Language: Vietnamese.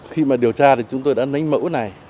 khi mà điều tra thì chúng tôi đã nánh mẫu này